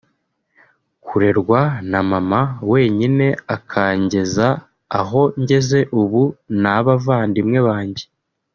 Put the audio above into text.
Kurerwa na mama wenyine akangeza aho ngeze ubu n’abavandimwe banjye